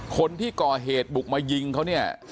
คนที่ก่อเหตุบุกมายิงเขาเนี่ย